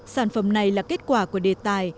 sản phẩm này là kết quả của đề tài